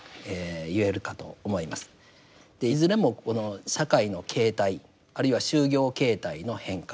いずれもこの社会の形態あるいは就業形態の変化